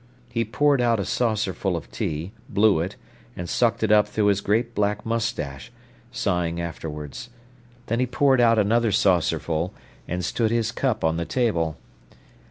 He poured out a saucerful of tea, blew it, and sucked it up through his great black moustache, sighing afterwards. Then he poured out another saucerful, and stood his cup on the table.